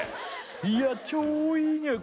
いや超いい匂い